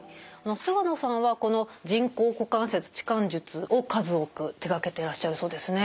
菅野さんはこの人工股関節置換術を数多く手がけてらっしゃるそうですね。